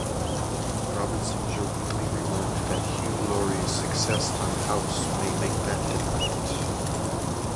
Robinson jokingly remarked that Hugh Laurie's success on "House" may make that difficult.